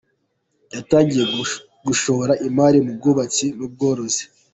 Yatangiye gushora imari mu bwubatsi n’ubworozi.